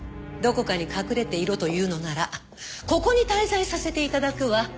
どこかに隠れていろと言うのならここに滞在させて頂くわ。